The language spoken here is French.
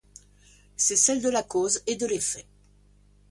C'est celle de la cause et de l'effet.